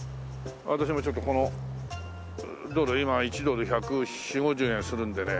私もちょっとこのドル今１ドル１４０１５０円するんでね。